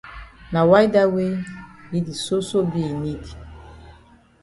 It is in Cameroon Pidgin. Na why dat wey yi di soso be in need.